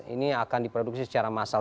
ini akan diproduksi secara massal